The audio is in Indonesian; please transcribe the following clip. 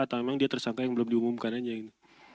atau memang dia tersangka yang belum diumumkan aja gitu